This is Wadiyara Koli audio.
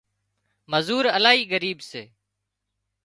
مزور الاهي ڳريٻ سي